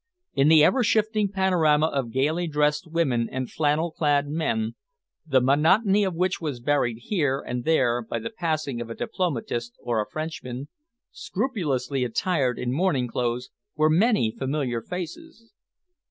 In the ever shifting panorama of gaily dressed women and flannel clad men, the monotony of which was varied here and there by the passing of a diplomatist or a Frenchman, scrupulously attired in morning clothes, were many familiar faces.